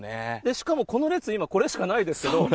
しかもこの列、今、これしかないですけど。